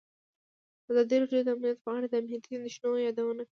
ازادي راډیو د امنیت په اړه د امنیتي اندېښنو یادونه کړې.